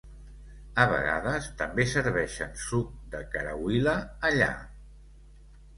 A vegades també serveixen suc de karawila allà.